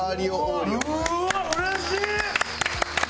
うわっうれしい！